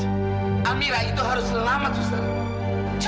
amira itu harus selamat suster